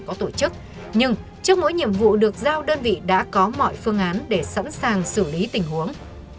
có tổ chức nhưng trước mỗi nhiệm vụ được giao đơn vị đã có mọi phương án để sẵn sàng xử lý tình huống